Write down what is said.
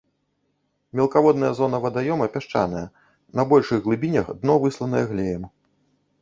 Мелкаводная зона вадаёма пясчаная, на большых глыбінях дно высланае глеем.